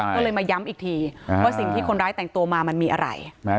ก็เลยมาย้ำอีกทีว่าสิ่งที่คนร้ายแต่งตัวมามันมีอะไร